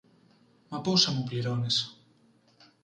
Μα πόσα μου πληρώνεις;